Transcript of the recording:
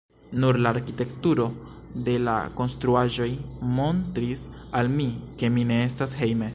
Nur la arkitekturo de la konstruaĵoj montris al mi, ke mi ne estas hejme.